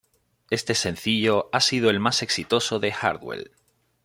Este sencillo ha sido el más exitoso de Hardwell.